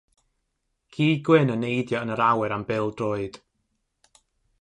Ci gwyn yn neidio yn yr awyr am bêl-droed.